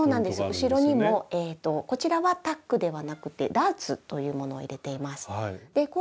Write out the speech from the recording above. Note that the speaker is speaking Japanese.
後ろにもこちらはタックではなくてダーツというものを入れています。